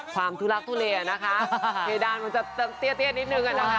ทุลักทุเลนะคะเพดานมันจะเตี้ยนิดนึงอะนะคะ